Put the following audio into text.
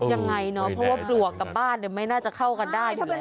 ยังไงเนาะเพราะว่าปลวกกับบ้านไม่น่าจะเข้ากันได้อยู่แล้ว